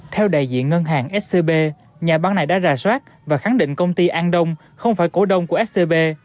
theo đại diện ngân hàng scb nhà bán này đã rà soát và khẳng định công ty an đông không phải cổ đông của scb